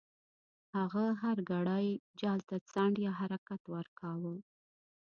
هغه هر ګړی جال ته څنډ یا حرکت ورکاوه.